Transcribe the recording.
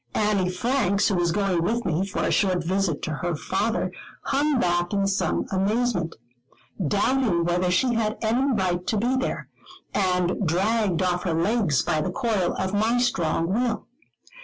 Annie Franks, who was going with me, for a short visit to her father, hung back in some amazement, doubting whether she had any right to be there, and dragged off her legs by the coil of my strong will.